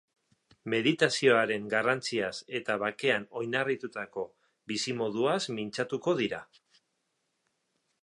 Meditazioaren garrantziaz eta bakean oinarritutako bizimoduaz mintzatuko dira.